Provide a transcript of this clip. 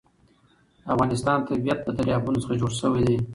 د افغانستان طبیعت له دریابونه څخه جوړ شوی دی.